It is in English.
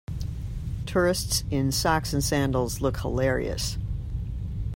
Tourists in socks and sandals look hilarious.